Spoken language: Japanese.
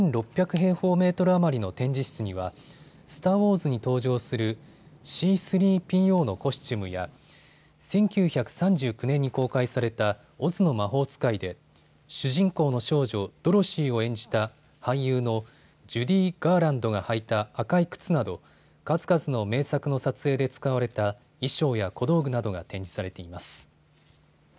平方メートル余りの展示室にはスター・ウォーズに登場するＣー３ＰＯをのコスチュームや１９３９年に公開されたオズの魔法使で主人公の少女、ドロシーを演じた俳優のジュディ・ガーランドが履いた赤い靴など数々の名作の撮影で使われた衣装や小道具などが展示されています。